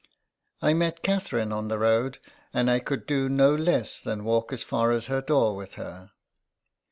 " I met Catherine on the road, and I could do no less than walk as far as her door with her."